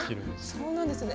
そうなんですね